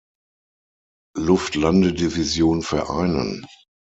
Luftlandedivision vereinen.